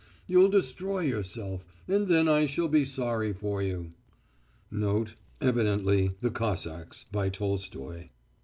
'You'll destroy yourself, and then I shall be sorry for you.'" Evidently, "The Cossacks," by Tolstoy.